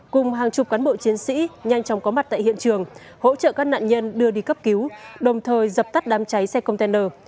cùng hàng chục cán bộ chiến sĩ nhanh chóng có mặt tại hiện trường hỗ trợ các nạn nhân đưa đi cấp cứu đồng thời dập tắt đám cháy xe container